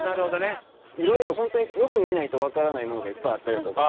色々ホントによく見ないとわからないものがいっぱいあったりだとか。